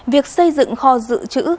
việc xây dựng kho dự trữ